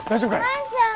万ちゃん。